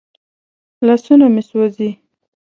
لاسونه مې سوځي.